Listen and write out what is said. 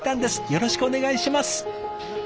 よろしくお願いします。